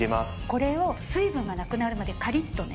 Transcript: これを水分がなくなるまでかりっとね。